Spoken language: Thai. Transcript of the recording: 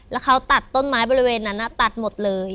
แล้วเขาตัดต้นไม้บริเวณนั้นตัดหมดเลย